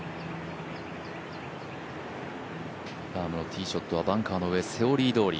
ラームのティーショットはバンカーの上、セオリーどおり。